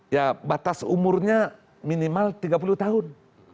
ya batas umurnya minimal tiga puluh tahun